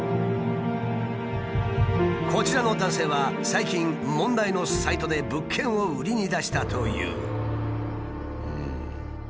こちらの男性は最近問題のサイトで物件を売りに出したという。